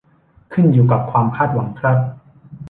ขึ้นอยู่กับความคาดหวังครับ